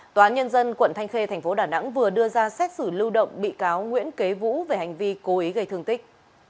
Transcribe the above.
tòa án nhân dân quận thanh khê tp đà nẵng vừa đưa ra xét xử lưu động bị cáo nguyễn kế vũ về hành vi cố ý gây thương tích